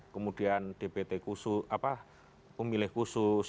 kemudian dpt khusus apa pemilih khusus